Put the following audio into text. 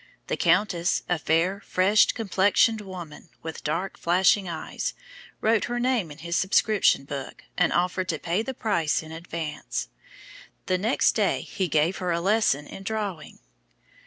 The countess, "a fair, fresh complexioned woman, with dark, flashing eyes," wrote her name in his subscription book, and offered to pay the price in advance. The next day he gave her a lesson in drawing.